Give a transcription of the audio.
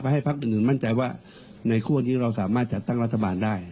ให้พักอื่นมั่นใจว่าในคั่วนี้เราสามารถจัดตั้งรัฐบาลได้